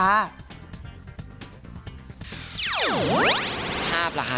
ภาพล่ะค่ะ